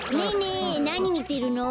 えなにみてるの？